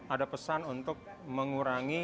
ada pesan untuk mengurangi